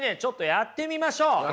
やってみましょう。